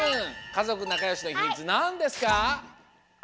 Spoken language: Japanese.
かぞくなかよしのヒミツなんですか？